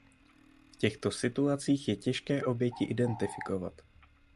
V těchto situacích je těžké oběti identifikovat.